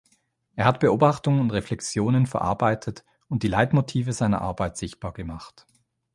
Er hat Beobachtungen und Reflexionen verarbeitet und die Leitmotive seiner Arbeit sichtbar gemacht.